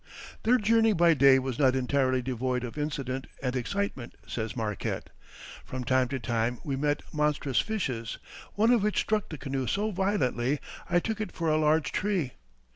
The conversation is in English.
Their journey by day was not entirely devoid of incident and excitement, says Marquette. "From time to time we met monstrous fishes, one of which struck the canoe so violently I took it for a large tree.